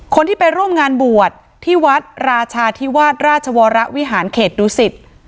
คนที่ไปร่วมงานบวจที่วัฒว์ราชทิวาดราชวรวิหารเขตศุษย์